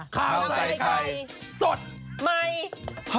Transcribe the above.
ข้าวเส้นไทยไข่สดใหม่ให้เยอะ